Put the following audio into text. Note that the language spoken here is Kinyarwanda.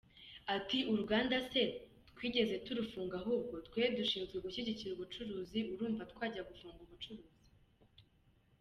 Ati “Uruganda se twigeze turufunga ahubwo, twe dushinzwe gushyigikira ubucuruzi urumva twajya gufunga ubucuruzi?